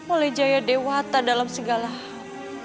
oleh jaya dewata dalam segala hal